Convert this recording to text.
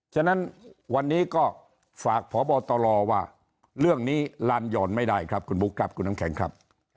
ฉะนั้นวันนี้ก็ฝากพบตรว่าเรื่องนี้ลานหย่อนไม่ได้ครับคุณบุ๊คครับคุณน้ำแข็งครับ